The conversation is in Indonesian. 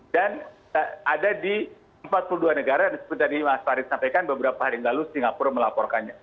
dan ada di empat puluh dua negara seperti tadi mas farid sampaikan beberapa hari lalu singapura melaporkannya